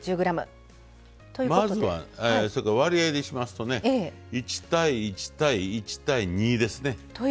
まずは割合にしますと１対１対１対２ですね。